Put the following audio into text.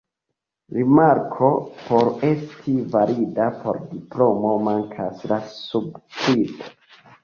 Rimarko: por esti valida por diplomo mankas la subskribo.